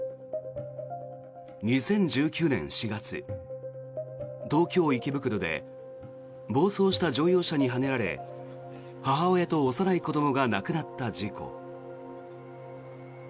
２０１９年４月、東京・池袋で暴走した乗用車にはねられ母親と幼い子どもが亡くなった事故。